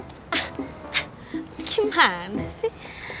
hah gimana sih